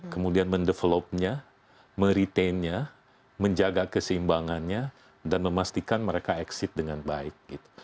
kemudian mendevelopnya meretainnya menjaga keseimbangannya dan memastikan mereka exit dengan baik